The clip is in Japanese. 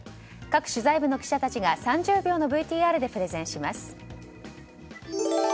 各取材部の記者たちが３０秒のＶＴＲでプレゼンします。